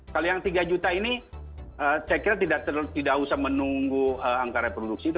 kalau yang tiga juta ini saya kira tidak usah menunggu angka reproduksi itu